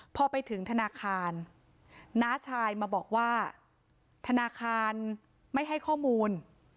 พอไปถึงธนาคารน้าชายมาบอกว่าธนาคารไม่ให้ข้อมูล